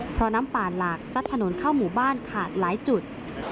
เพราะน้ำป่าหลากซัดถนนเข้าหมู่บ้านขาดหลายจุด